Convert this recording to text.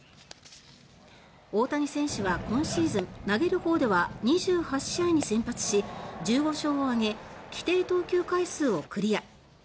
大谷選手は今シーズン投げる方では２８試合に先発し１５勝をあげ規定投球回数をクリア。